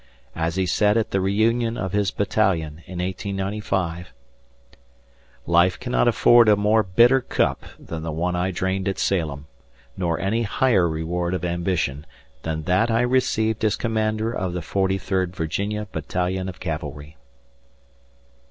As he said at the reunion of his battalion in 1895: "Life cannot afford a more bitter cup than the one I drained at Salem, nor any higher reward of ambition than that I received as Commander of the Forty third Virginia Battalion of Cavalry."